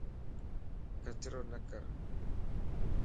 ڪچرو نه ڪر